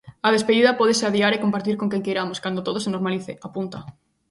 A despedida pódese adiar e compartir con quen queiramos cando todo se normalice, apunta.